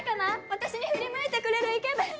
私に振り向いてくれるイケメン。